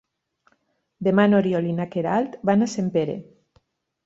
Demà n'Oriol i na Queralt van a Sempere.